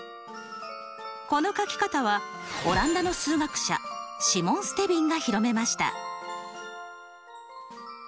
この書き方はオランダの数学者シモン・ステヴィンが広めました。